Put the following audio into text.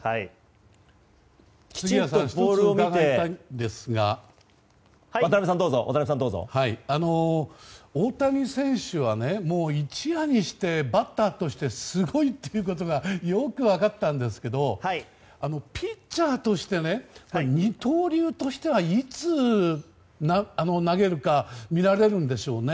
杉谷さん１つ伺いたいんですが大谷選手は一夜にしてバッターとしてすごいということがよく分かったんですがピッチャーとして二刀流としてはいつ投げるとみられるんですかね？